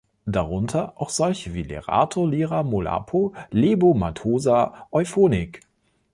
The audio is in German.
Darunter auch solche wie Lerato „Lira“ Molapo, Lebo Mathosa, Euphonik.